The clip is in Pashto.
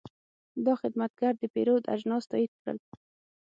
دا خدمتګر د پیرود اجناس تایید کړل.